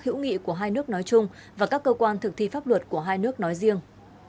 hữu nghị của hai nước nói chung và các cơ quan thực thi pháp luật của hai nước nói riêng